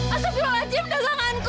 asap jualan gym daganganku